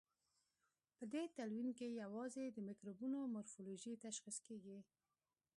په دې تلوین کې یوازې د مکروبونو مورفولوژي تشخیص کیږي.